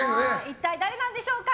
一体誰なんでしょうか。